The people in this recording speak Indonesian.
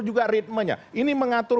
juga ritmenya ini mengatur